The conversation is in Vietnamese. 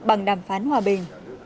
bằng đàm phán hòa bình